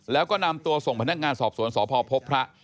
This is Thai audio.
แล้วก็นำตัวส่งพนักงานสอบสวนสพพบพระ